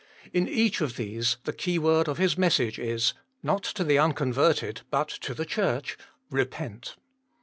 In each of these the keyword of His message is not to the uncon verted, but to the Church Eepent